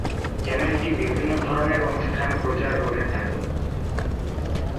চ্যানেলটি বিভিন্ন ধরনের অনুষ্ঠান প্রচার করে থাকে।